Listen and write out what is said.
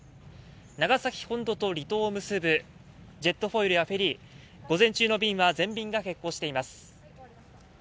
長崎本土と離島を結ぶジェットホイールやフェリー、午前中の便は全便が欠航しています。